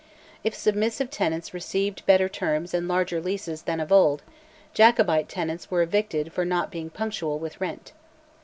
If submissive tenants received better terms and larger leases than of old, Jacobite tenants were evicted for not being punctual with rent.